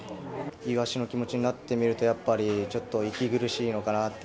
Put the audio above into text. イワシの気持ちになってみると、やっぱりちょっと息苦しいのかなって。